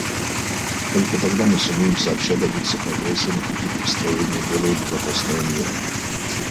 Только тогда мы сумеем сообща добиться прогресса на пути к построению более безопасного мира.